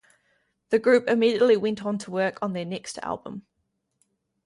The group immediately went on to work on their next album.